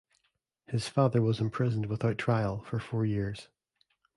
His father was imprisoned without trial for four years.